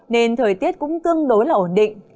nên thời tiết cũng tương đối là ổn định